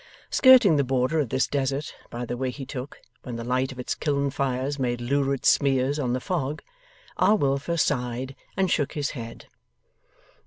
Skirting the border of this desert, by the way he took, when the light of its kiln fires made lurid smears on the fog, R. Wilfer sighed and shook his head.